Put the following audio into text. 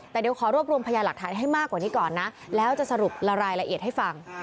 แต่เดี๋ยวขอรวบรวมพยาหลักฐานให้มากกว่านี้ก่อนนะแล้วจะสรุปละรายละเอียดให้ฟัง